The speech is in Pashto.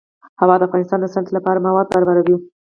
هوا د افغانستان د صنعت لپاره مواد برابروي.